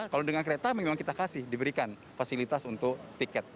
kalau dengan kereta memang kita kasih diberikan fasilitas untuk tiket